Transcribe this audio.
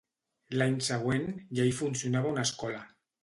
L'any següent, ja hi funcionava una escola.